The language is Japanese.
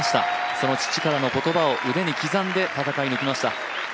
その父からの言葉を腕に刻んで戦い抜きました、